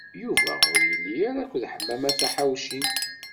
Yuba ur yelli ara akked Ḥemmama Taḥawcint.